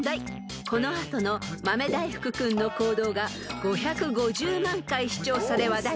［この後の豆大福君の行動が５５０万回視聴され話題となりました］